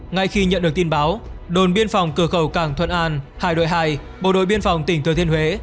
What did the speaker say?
ngay khi nhận được tin báo đồn biên phòng cửa khẩu càng thuận an hải đội hai bộ đội biên phòng tỉnh thừa thiên huế